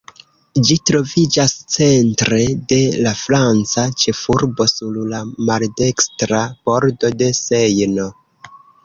Ĝi troviĝas centre de la franca ĉefurbo, sur la maldekstra bordo de Sejno.